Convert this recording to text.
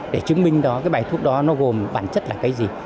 để chứng minh đó cái bài thuốc đó nó gồm bản chất là cái gì